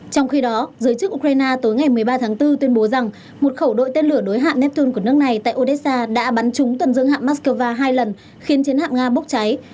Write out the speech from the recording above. trong khi đó giới chức ukraine tối ngày một mươi ba tháng bốn tuyên bố rằng một khẩu đội tên lửa đối hạng neptune của nước này tại odessa đã bắn trúng tuần dương hạng moskova hai lần khiến chiến hạng nga bốc cháy